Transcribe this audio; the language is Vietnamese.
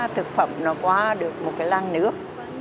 thực phẩm nó quá được một cái lăng nước